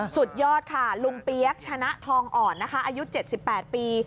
สุดยอดค่ะลุงเปี๊ยกชนะทองอ่อนนะคะอายุ๗๘ปี